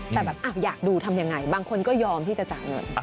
แต่แบบอยากดูทำยังไงบางคนก็ยอมที่จะจ่ายเงิน